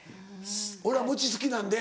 俺は餅好きなんで。